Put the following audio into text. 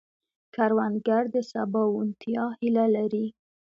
کروندګر د سباوونتیا هیله لري